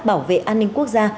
bảo vệ an ninh quốc gia